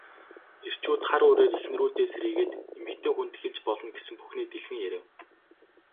Эрчүүд хар үүрээр эхнэрүүдээ сэрээгээд эмэгтэй хүнд хэлж болно гэсэн бүхнээ дэлгэн ярив.